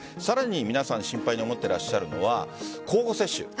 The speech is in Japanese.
さらに皆さん心配に思っていらっしゃるのは交互接種。